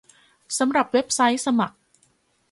สำหรับเว็บไซต์สมัคร